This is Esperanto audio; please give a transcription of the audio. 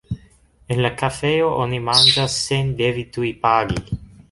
En la kafejo oni manĝas sen devi tuj pagi.